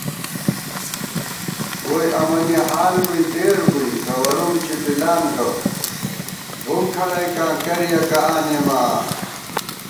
ووئی امَنی حال بُوئی تېربُوئی، گوَرُوم چِپِلان گہ، بُم کھڑَئیکاں کریَکہ آنېمہ آں